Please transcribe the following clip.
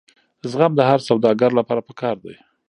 زغم د هر سوداګر لپاره پکار دی.